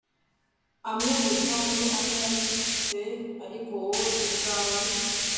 Umwe gusa muri mwe yavutse Ariko wowe ubwawe